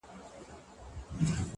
لوړ همت واټنونه لنډوي!